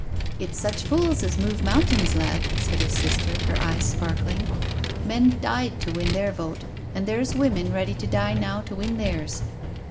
" It's such fools as move mountains, lad," said his sister, her eyes sparkling. " Men died to win their vote, an' there's women ready to die now to win theirs."